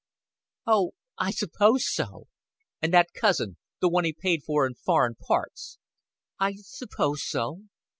"Oh, I suppose so." "And that cousin the one he paid for in foreign parts?" "I suppose so."